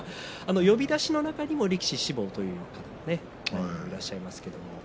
呼出しの中にも力士志望という方がいらっしゃいます。